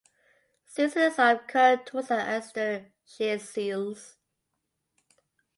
Seals is the son of current Tulsa assistant Shea Seals.